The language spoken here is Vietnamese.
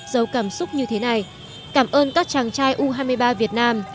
dâu cảm xúc như thế này cảm ơn các chàng trai u hai mươi ba việt nam